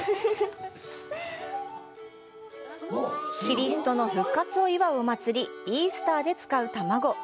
キリストの復活を祝うお祭り「イースター」で使う卵。